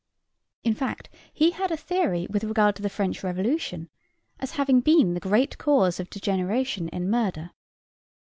In fact, he had a theory with regard to the French Revolution, as having been the great cause of degeneration in murder.